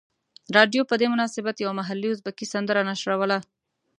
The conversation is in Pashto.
رادیو په دې مناسبت یوه محلي ازبکي سندره نشروله.